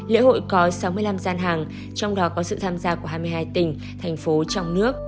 lễ hội có sáu mươi năm gian hàng trong đó có sự tham gia của hai mươi hai tỉnh thành phố trong nước